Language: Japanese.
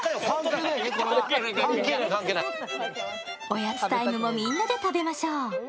おやつタイムもみんなで食べましょう。